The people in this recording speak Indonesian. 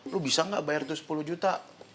lu bisa nggak bayar tuh sepuluh juta